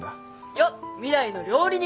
よっ未来の料理人！